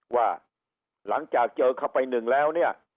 ว่าหลังจากเจอเข้าไปหนึ่งแล้วเนี่ย